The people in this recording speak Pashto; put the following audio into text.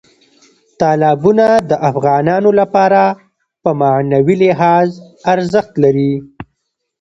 تالابونه د افغانانو لپاره په معنوي لحاظ ارزښت لري.